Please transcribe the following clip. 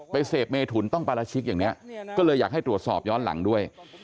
เสพเมถุนต้องปราชิกอย่างนี้ก็เลยอยากให้ตรวจสอบย้อนหลังด้วย